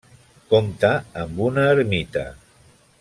Compta amb una ermita.